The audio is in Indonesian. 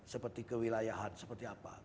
seperti kewilayahan seperti apa